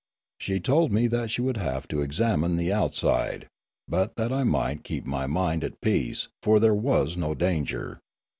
She told me that she would have to examine the outside, but that I might keep my mind at peace, for there was no danger.